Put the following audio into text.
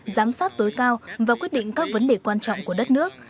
giám sát tối cao và quyết định các vấn đề quan trọng của đất nước